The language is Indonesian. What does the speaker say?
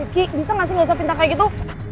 ki bisa gak sih gak usah pintar kayak gitu